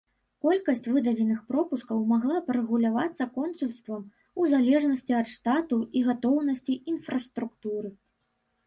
Колькасць выдадзеных пропускаў магла б рэгулявацца консульствамі ў залежнасці ад штату і гатоўнасці інфраструктуры.